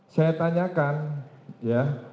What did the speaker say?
saya tanyakan ya